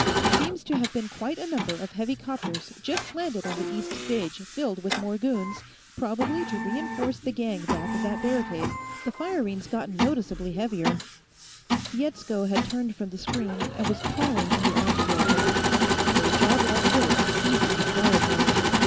"... Seems to have been quite a number of heavy 'copters just landed on the east stage, filled with more goons, probably to re enforce the gang back of that barricade. The firing's gotten noticeably heavier "Yetsko had turned from the screen, and was pawing in the arms locker. For a job like this, he'd need firepower.